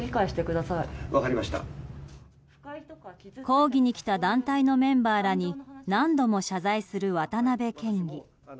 抗議に来た団体のメンバーらに何度も謝罪する渡辺県議。